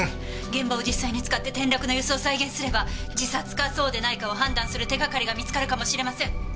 現場を実際に使って転落の様子を再現すれば自殺かそうでないかを判断する手がかりが見つかるかもしれません！